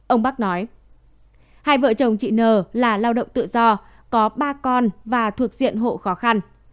ông bắc nói hai vợ chồng chị n là lao động tự do có ba con và thuộc diện hộ khó khăn